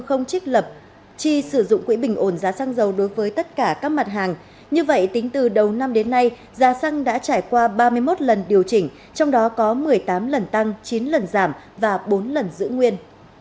không trích lập chi sử dụng quỹ bình ổn giá xăng dầu đối với tất cả các mặt hàng như vậy tính từ đầu năm đến nay giá xăng đã trải qua ba mươi một lần điều chỉnh trong đó có một mươi tám lần tăng chín lần giảm và bốn lần giữ nguyên